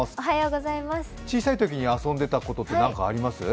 小さいときに遊んでたことって何かありますか？